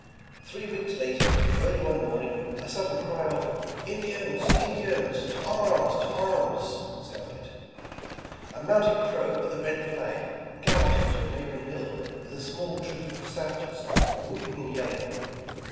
Three weeks later, early one morning, a sudden cry of "Indians! Indians! to arms! to arms!" sounded. A mounted Crow, with a red flag, galloped to a neighbor ing hill with a small troop of savages whooping and yelling.